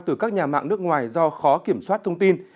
từ các nhà mạng nước ngoài do khó kiểm soát thông tin